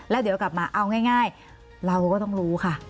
แล้วเดี๋ยวกลับมาเอาง่ายเราก็ต้องรู้ค่ะ